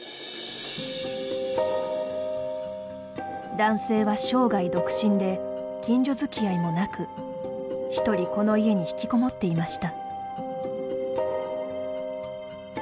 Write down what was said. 男性は生涯独身で近所づきあいもなくひとりこの家にひきこもっていました。